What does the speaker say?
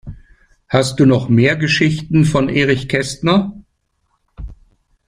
Hast du noch mehr Geschichten von Erich Kästner?